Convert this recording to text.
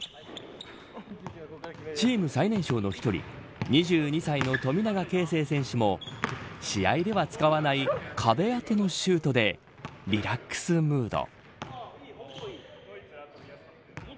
チーム最年少の１人２２歳の富永啓生選手も試合では使わない壁当てのシュートでリラックスムード。